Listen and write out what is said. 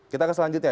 kita ke selanjutnya